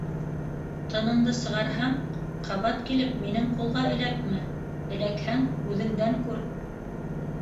Тыныңды сығарһаң — ҡабат килеп минең ҡулға эләкмә, эләкһәң — үҙеңдән күр!